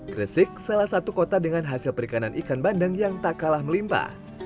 gresik salah satu kota dengan hasil perikanan ikan bandeng yang tak kalah melimpa